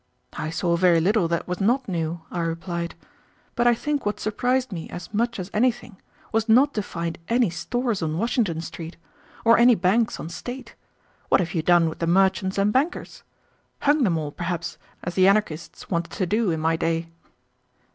"I saw very little that was not new," I replied. "But I think what surprised me as much as anything was not to find any stores on Washington Street, or any banks on State. What have you done with the merchants and bankers? Hung them all, perhaps, as the anarchists wanted to do in my day?"